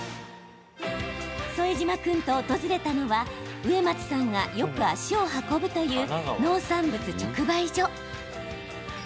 副島君と訪れたのは植松さんが、よく足を運ぶという農産物直売所。